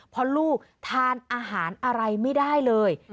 เพราะลูกทานอาหารอะไรไม่ได้เลย